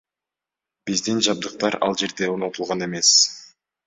Биздин жабдыктар ал жерде орнотулган эмес.